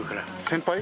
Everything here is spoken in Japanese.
先輩？